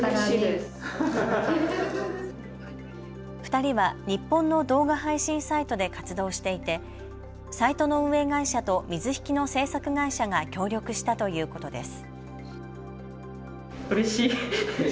２人は日本の動画配信サイトで活動していてサイトの運営会社と水引の制作会社が協力したということです。